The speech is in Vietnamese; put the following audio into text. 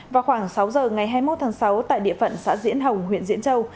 vào khoảng sáu giờ ngày hai mươi một tháng sáu tại địa phận xã diễn hồng huyện diễn châu